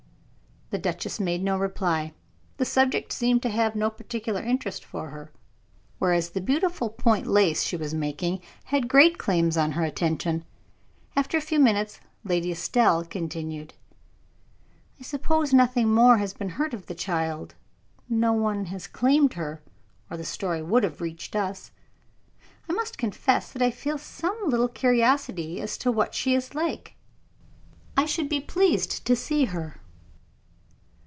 The duchess made no reply. The subject seemed to have no particular interest for her, whereas the beautiful point lace she was making had great claims on her attention. After a few minutes Lady Estelle continued: "I suppose nothing more has been heard of the child; no one has claimed her, or the story would have reached us. I must confess that I feel some little curiosity as to what she is like. I should be pleased to see her."